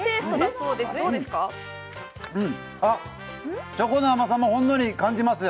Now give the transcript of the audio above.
うん、あっ、チョコの甘さもほんのり感じます。